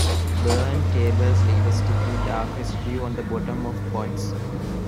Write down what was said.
Burned tablets leave a sticky dark residue on the bottom of pots.